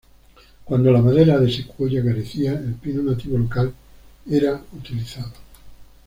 Cuándo la madera de secuoya carecía, el pino nativo local era utilizado.